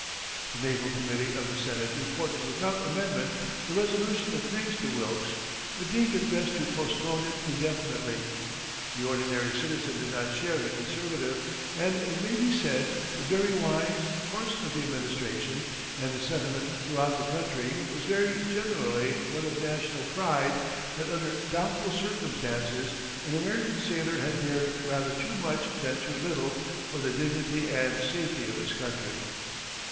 The Naval Committee of the Senate reported without amendment the resolution of thanks to Wilkes, but deemed it best to postpone it indefinitely. The ordinary citizen did not share the conservative, and it may be said the very wise, course of the administration, and the sentiment throughout the country was very generally one of national pride that under doubtful circumstances an American sailor had dared rather too much than too little for the dignity and safety of his country.